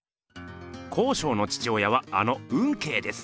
康勝の父親はあの運慶です。